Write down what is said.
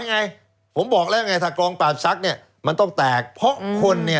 รอไงผมบอกแล้วไงถ้ากลองปราบซักเนี้ย